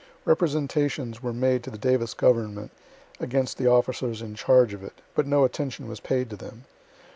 Representations were made to the Davis government against the officers in charge of it, but no attention was paid to them.